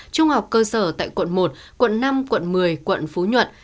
trung học cơ sở tại quận một quận năm quận một mươi quận phú nhuận